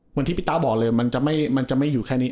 ที่พี่ตาบอกเลยมันจะไม่อยู่แค่นี้